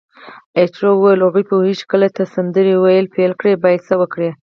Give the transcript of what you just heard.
ایټور وویل: هغوی پوهیږي چې کله ته سندرې ویل پیل کړې باید څه وکړي.